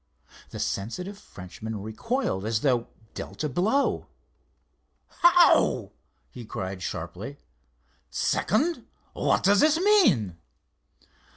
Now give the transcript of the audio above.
The sensitive Frenchman recoiled as though dealt a blow. "How?" he cried sharply. "Second? what does this mean?"